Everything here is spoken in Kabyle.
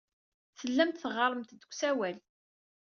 Tellamt teɣɣaremt-d deg usawal.